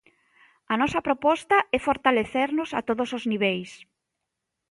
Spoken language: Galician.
A nosa proposta é fortalecernos a todos os niveis.